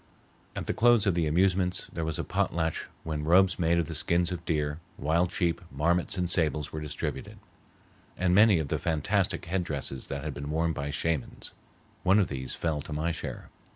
At the close of the amusements there was a potlatch when robes made of the skins of deer, wild sheep, marmots, and sables were distributed, and many of the fantastic head dresses that had been worn by Shamans. One of these fell to my share.